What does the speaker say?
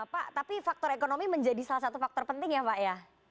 pak tapi faktor ekonomi menjadi salah satu faktor penting ya pak ya